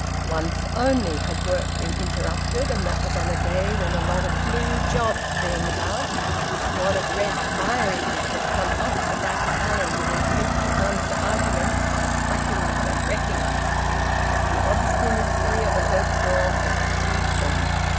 Once only had work been interrupted, and that was on a day when, a lot of `blue jobs' being about, a squad of red fire eaters had come up the back alley with intent to answer arguments by thwackings and wreckings; but the obstinacy of an oak door had fatigued them.